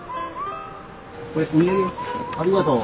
ありがとう。